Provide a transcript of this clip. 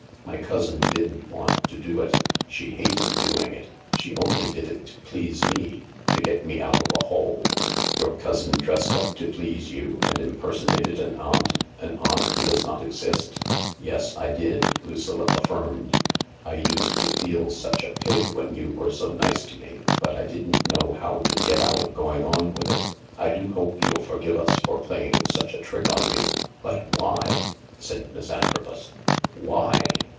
My cousin didn't want to do it. She hated doing it. She only did it to please me — to get me out of a hole." " Your cousin dressed up to please you, and impersonated an aunt — an aunt who does not exist ?"" Yes, I did," Lucilla affirmed. " I used to feel such a pig when you were so nice to me, but I didn't know how to get out of going on with it. I do hope you'll forgive us for playing such a trick on you." " But why ?" said Miss Antrobus. " Why